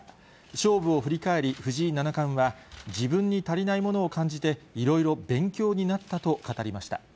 勝負を振り返り藤井七冠は、自分に足りないものを感じて、いろいろ勉強になったと語りました。